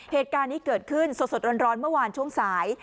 เหตุการณ์นี้เกิดขึ้นสดร้อนเมื่อวานช่วงสาย